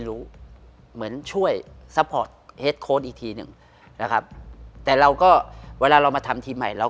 แต่มันก็ต้องมีคนที่เห็นแนวทางเนี้ยจากเรา